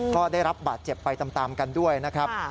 ก็ได้รับบาดเจ็บไปตามกันด้วยนะครับ